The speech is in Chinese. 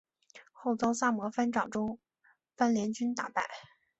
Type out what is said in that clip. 后遭萨摩藩长州藩联军打败。